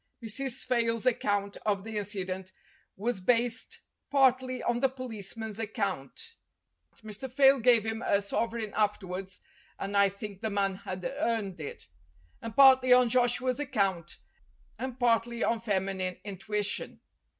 Mrs. Fayle's account of the incident was based 276 STORIES WITHOUT TEARS partly on the policeman's account Mr. Fayle gave him a sovereign afterwards, and I think the man had earned it and partly on Joshua's account, and partly on feminine intuition.